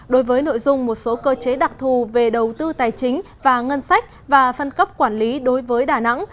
đối với nội dung một số cơ chế đặc thù về đầu tư tài chính và ngân sách và phân cấp quản lý đối với đà nẵng